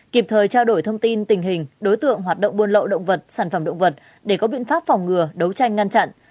kịp thời trao đổi thông tin tình hình đối tượng hoạt động buôn lậu động vật sản phẩm động vật để có biện pháp phòng ngừa đấu tranh ngăn chặn